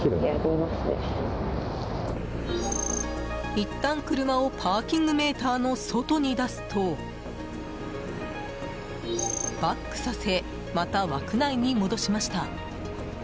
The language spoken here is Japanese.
いったん、車をパーキングメーターの外に出すとバックさせまた枠内に戻しました。